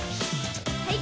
はい。